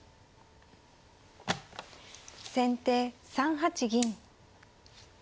先手３八銀。